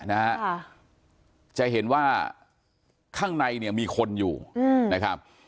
นะฮะค่ะจะเห็นว่าข้างในเนี่ยมีคนอยู่อืมนะครับ